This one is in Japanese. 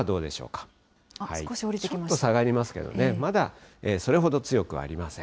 ちょっと下がりますけどね、まだ、それほど強くありません。